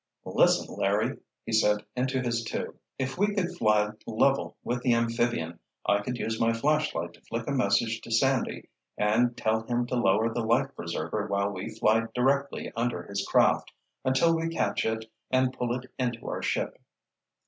"Listen, Larry," he said into his tube. "If we could fly level with the amphibian, I could use my flashlight to flick a message to Sandy, and tell him to lower the life preserver while we fly directly under his craft, until we catch it and pull it into our ship."